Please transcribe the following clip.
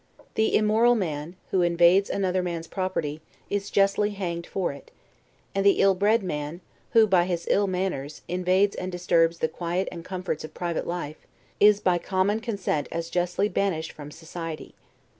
The immoral man, who invades another man's property, is justly hanged for it; and the ill bred man, who, by his ill manners, invades and disturbs the quiet and comforts of private life, is by common consent as justly banished society.